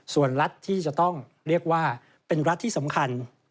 ส่วนรัฐที่จะต้องเรียกว่าเป็นรัฐที่สำคัญ